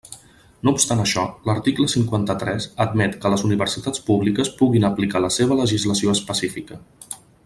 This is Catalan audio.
No obstant això, l'article cinquanta-tres admet que les universitats públiques puguin aplicar la seva legislació específica.